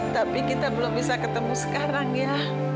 tapi kita belum bisa ketemu sekarang ya